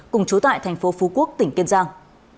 cùng chú tại tp phú quốc tỉnh kiên giang